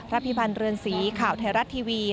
พิพันธ์เรือนสีข่าวไทยรัฐทีวี